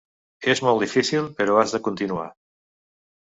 És molt difícil, però has de continuar.